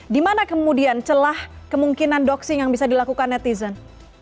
di mana kemudian celah kemungkinan doxing yang bisa dilakukan netizen